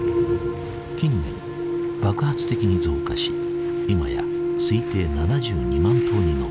近年爆発的に増加し今や推定７２万頭に上っている。